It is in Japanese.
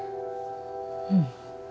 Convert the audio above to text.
うん。